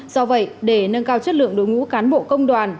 do vậy để nâng cao chất lượng đối ngũ cán bộ công đoàn